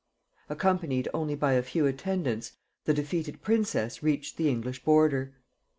Accompanied only by a few attendants, the defeated princess reached the English border.